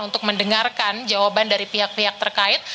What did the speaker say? untuk mendengarkan jawaban dari pihak pihak terkait